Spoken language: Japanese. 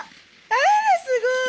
あらすごい！